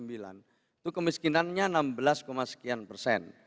itu kemiskinannya enam belas sekian persen